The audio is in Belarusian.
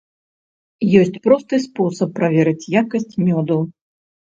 Ёсць просты спосаб праверыць якасць мёду.